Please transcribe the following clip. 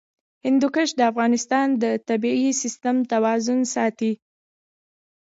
هندوکش د افغانستان د طبعي سیسټم توازن ساتي.